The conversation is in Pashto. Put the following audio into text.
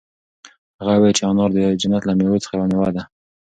هغه وویل چې انار د جنت له مېوو څخه یوه مېوه ده.